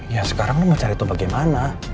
ya sekarang lo mau cari tahu bagaimana